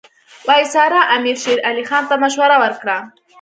وایسرا امیر شېر علي خان ته مشوره ورکړه.